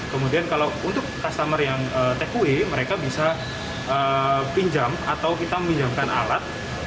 kemudian kalau untuk customer yang takeaway mereka bisa pinjam atau kita pinjamkan alat